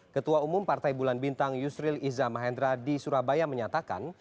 ketua umum partai bulan bintang yusril iza mahendra di surabaya menyatakan